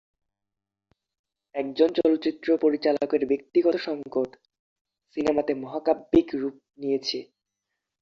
একজন চলচ্চিত্র পরিচালকের ব্যক্তিগত সংকট সিনেমাতে মহাকাব্যিক রূপ নিয়েছে।